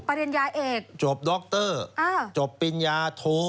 ปริญญาเอกจบดรจบปริญญาโท